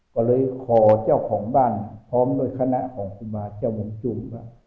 ก็เลยขอเจ้าของบ้านพร้อมโดยคณะของคุณบาทเจ้าวงจูม